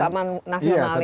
taman nasional ini ya